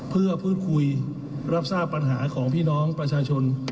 เพื่อพูดคุยรับทราบปัญหาของพี่น้องประชาชน